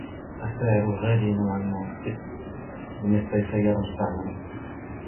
السعر غالي نوعاً ما بالنسبة لسيارة مستعملة.